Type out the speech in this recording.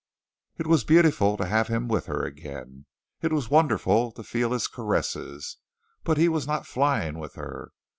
It was beautiful to have him with her again. It was wonderful to feel his caresses. But he was not flying with her.